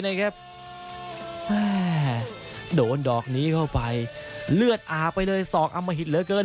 โดนดอกนี้เข้าไปเลือดอาบไปเลยสอกอมหิตเหลือเกิน